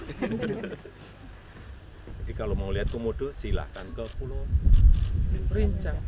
jadi kalau mau lihat komodo silahkan ke pulau rinca